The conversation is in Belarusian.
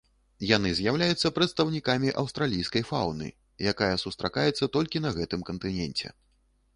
Яны з'яўляюцца прадстаўнікамі аўстралійскай фауны, якія сустракаецца толькі на гэтым кантыненце.